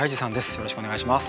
よろしくお願いします。